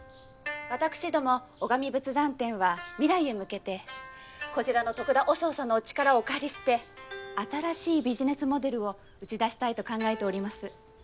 私ども尾上仏壇店は未来へ向けてこちらの得田和尚さんのお力をお借りして新しいビジネスモデルを打ち出したいと考えております。